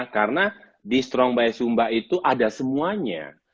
karena di strong by sumba itu ada semuanya